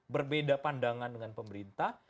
berbeda pandangan dengan pemerintah